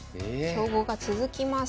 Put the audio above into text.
強豪が続きます。